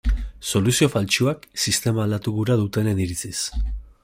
Soluzio faltsuak, sistema aldatu gura dutenen iritziz.